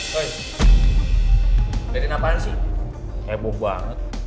woy bedain apaan sih heboh banget